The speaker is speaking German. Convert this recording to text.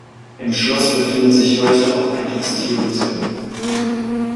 Im Schloss befindet sich heute auch ein Textilmuseum.